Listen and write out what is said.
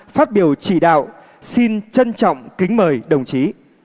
phát biểu chỉ đạo xin trân trọng kính mời đồng chí